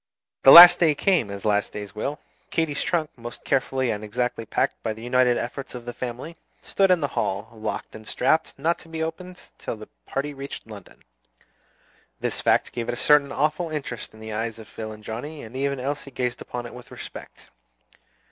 The last day came, as last days will. Katy's trunk, most carefully and exactly packed by the united efforts of the family, stood in the hall, locked and strapped, not to be opened again till the party reached London. This fact gave it a certain awful interest in the eyes of Phil and Johnnie, and even Elsie gazed upon it with respect.